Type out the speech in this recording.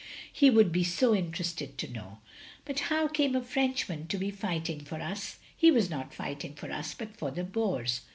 He would be so interested to know. But how came a Frenchman to be fighting for us?" " He was not fighting for us, but for the Boers.